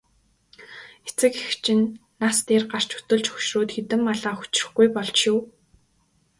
Эцэг эх чинь нас дээр гарч өтөлж хөгшрөөд хэдэн малаа хүчрэхгүй болж шүү.